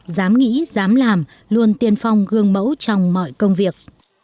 dám nghĩ dám làm luôn tiên phong gương mẫu trong mọi công việc